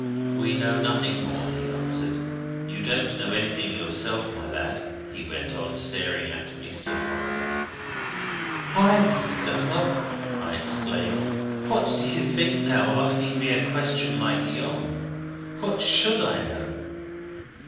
"We know nothing more," he answered. "You don't know anything yourself, my lad?" he went on, staring at me still harder. "I, Mr. Dunlop!" I exclaimed. "What do you think, now, asking me a question like yon! What should I know?"